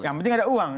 yang penting ada uang